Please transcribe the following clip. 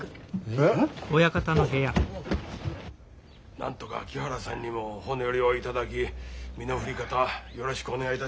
なんとか木原さんにもお骨折りをいただき身の振り方よろしくお願いいたします。